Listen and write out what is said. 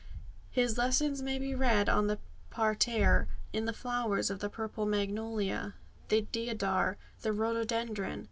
His lessons may be read on the parterre, in the flowers of the purple magnolia, the deodar, the rhododendron.